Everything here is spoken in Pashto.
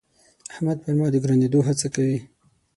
احمد پر ما د ګرانېدو هڅه کوي.